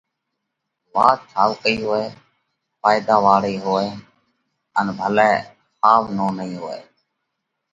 وات ڀلئہ ٺائُوڪئِي هوئہ، ڦائيۮا واۯئِي هوئہ ان ڀلئہ ۿاوَ نونَئِي هوئہ۔